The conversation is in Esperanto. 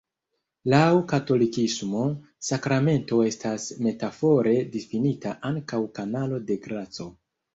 Laŭ katolikismo, sakramento estas metafore difinita ankaŭ "kanalo de graco".